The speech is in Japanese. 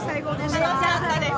楽しかったです。